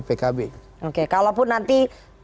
pkb oke kalaupun nanti